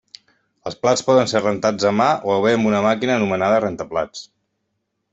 Els plats poden ser rentats a mà o bé amb una màquina anomenada rentaplats.